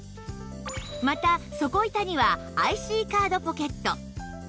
また底板には ＩＣ カードポケット